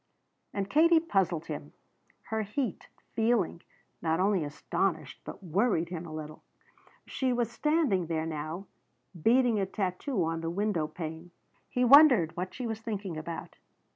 And Katie puzzled him; her heat, feeling, not only astonished but worried him a little. She was standing there now beating a tattoo on the window pane. He wondered what she was thinking about.